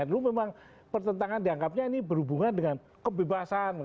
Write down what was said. dulu memang pertentangan dianggapnya ini berhubungan dengan kebebasan